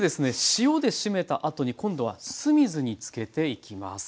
塩でしめたあとに今度は酢水につけていきます。